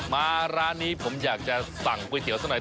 มาร้านนี้ผมอยากจะสั่งก๋วยเตี๋ยสักหน่อย